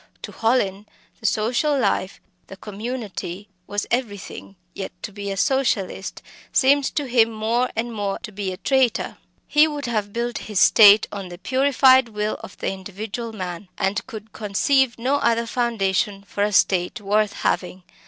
To Hallin the social life, the community, was everything yet to be a "Socialist" seemed to him more and more to be a traitor! He would have built his state on the purified will of the individual man, and could conceive no other foundation for a state worth having.